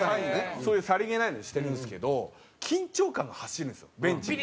そういうさりげないのにしてるんですけど緊張感が走るんですよベンチに。